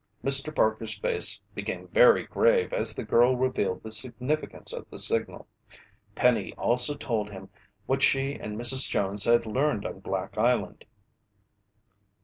Mr. Parker's face became very grave as the girl revealed the significance of the signal. Penny also told him what she and Mrs. Jones had learned on Black Island.